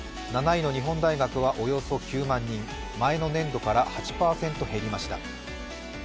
７位の日本大学は、およそ９万人前の年度から８％減りました。